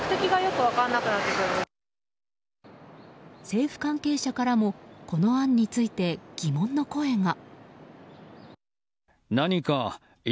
政府関係者からもこの案について疑問の声が。